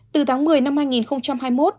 từ tháng một mươi năm hai nghìn hai mươi một